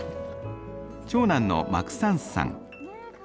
長男のマクサンスさん。